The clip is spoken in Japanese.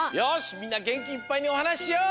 みんなげんきいっぱいにおはなししよう！